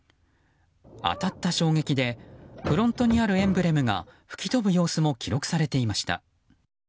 当たった衝撃でフロントにあるエンブレムが吹き飛ぶ様子も記録されていました。